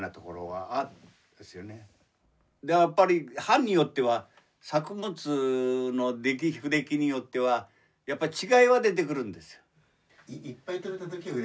班によっては作物の出来不出来によってはやっぱり違いは出てくるんですよ。